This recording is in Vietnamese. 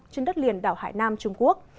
trên đất liền đảo hải nam trung quốc